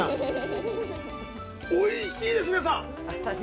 おいしいです、皆さん。